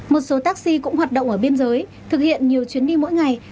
một số taxi cũng hoạt động ở biên giới thực hiện nhiều chuyến đi mỗi ngày